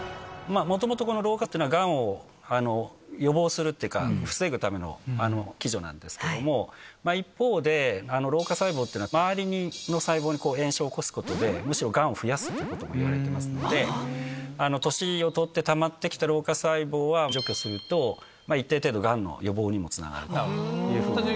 もともとこの老化というのは、がんを予防するっていうか、防ぐための機序なんですけども、一方で、老化細胞っていうのは、周りの細胞に炎症を起こすことで、むしろ、がんを増やすっていうことがいわれていますので、年を取ってたまってきた老化細胞は、除去すると、一定程度、がんの予防にもつながるというふうに。